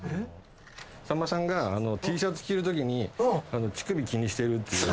さんまさんがＴシャツ着るときに乳首気にしてるっていう。